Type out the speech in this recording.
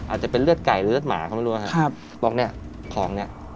อาจจะเป็นเลือดไก่หรือเลือดหมาก็ไม่รู้ครับบอกเนี้ยของเนี้ย